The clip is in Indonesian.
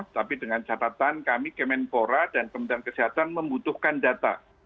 tapi dengan catatan kami kemenpora dan kementerian kesehatan membutuhkan data